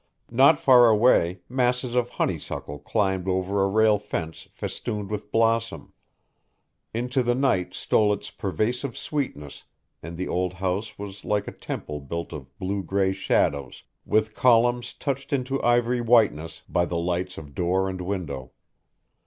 Not far away masses of honeysuckle climbed over a rail fence festooned with blossom. Into the night stole its pervasive sweetness and the old house was like a temple built of blue gray shadows with columns touched into ivory whiteness by the lights of door and window.